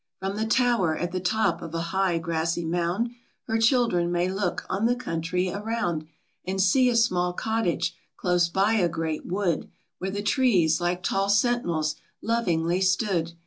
From the tower, at the top of a high grassy mound, Her children may look on the country around, And see a small cottage, close by a great wood, ■Where the trees, like tall sentinels, lovingly stood.